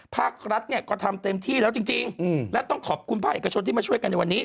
ภาครัฐเนี่ยก็ทำเต็มที่แล้วจริงและต้องขอบคุณภาคเอกชนที่มาช่วยกันในวันนี้